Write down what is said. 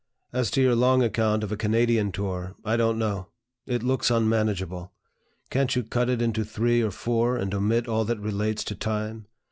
As to your long account of a Canadian tour, I don't know. It looks unmanageable. Can't you cut it into three or four, and omit all that relates to time?